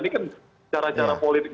ini kan cara cara politik